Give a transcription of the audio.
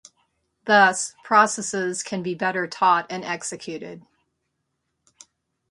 Thus, processes can be better taught and executed.